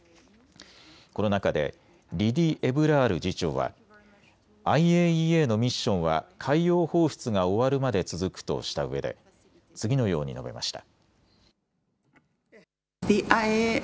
この中でリディ・エブラール次長はＩＡＥＡのミッションは海洋放出が終わるまで続くとしたうえで次のように述べました。